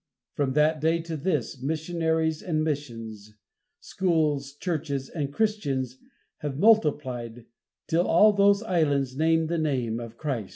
From that day to this, missionaries and missions, schools, churches and Christians have multiplied, till all those islands name the name of Christ.